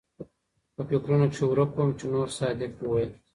پۀ فکرونو کښې ورک ووم چې نورصادق وويل